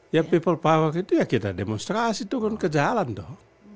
ya people power itu ya kita demonstrasi turun ke jalan tuh